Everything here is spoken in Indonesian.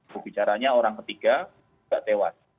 berbicaranya orang ketiga juga tewas